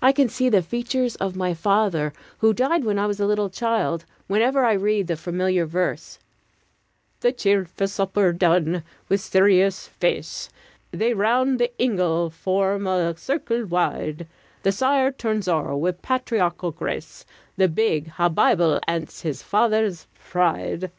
I can see the features of my father, who died when I was a little child, whenever I read the familiar verse: "The cheerfu' supper done, wi' serious face They round the ingle form a circle wide: The sire turns o'er, wi' patriarchal grace, The big ha' Bible, ance his father's pride."